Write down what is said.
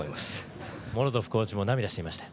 モロゾフコーチも涙していました。